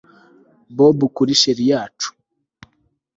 Bob kuri cheri yacu